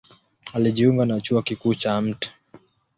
Alijiunga na Chuo Kikuu cha Mt.